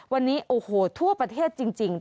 วันนี้โอ้โหทั่วประเทศจริง